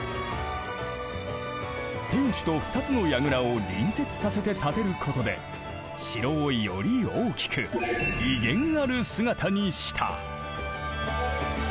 天守と２つの櫓を隣接させて建てることで城をより大きく威厳ある姿にした。